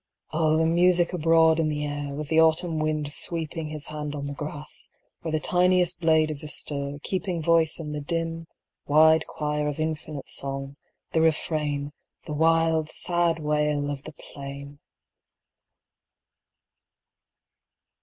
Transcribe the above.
O the music abroad in the air, With the autumn wind sweeping His hand on the grass, where The tiniest blade is astir, keeping Voice in the dim, wide choir, Of the infinite song, the refrain, The wild, sad wail of the plain